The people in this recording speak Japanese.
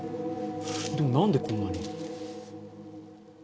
でもなんでこんなに？